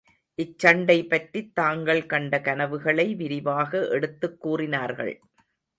இச்சண்டை பற்றித் தாங்கள் கண்ட கனவுகளை விரிவாக எடுத்துக் கூறினார்கள்.